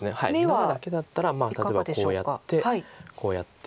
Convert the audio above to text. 中だけだったら例えばこうやってこうやって。